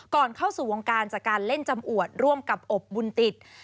ก่อนเข้าสู่วงการจากการเล่นจำอวดร่วมกับอบบุญติด